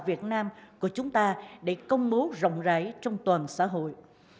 việt nam của chúng ta để công bố rộng rãi trong toàn xã hội